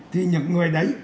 thì những người đấy